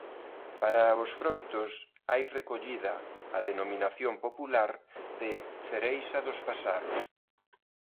Para os froitos hai recollida a denominación popular de "cereixa dos paxaros".